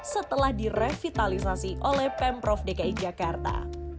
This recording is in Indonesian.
setelah direvitalisasi oleh pemprov dki jakarta